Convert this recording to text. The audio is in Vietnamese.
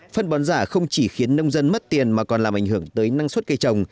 phân bón giả không chỉ khiến nông dân mất tiền mà còn làm ảnh hưởng tới năng suất cây trồng